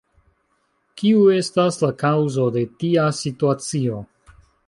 Kiu estas la kaŭzo de tia situacio?